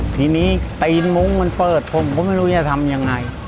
ทีนี้ตีนมุ้งมันเปิดผมก็ไม่รู้จะทำยังไง